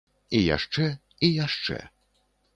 І яшчэ, і яшчэ.